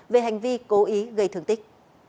về hành vi cố ý gây thương tích